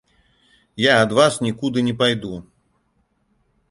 Я ад вас нікуды не пайду.